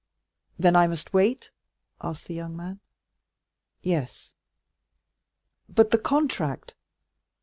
"Then I must wait?" asked the young man. "Yes." "But the contract?"